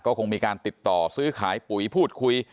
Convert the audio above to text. คงมีการติดต่อซื้อขายปุ๋ยพูดคุย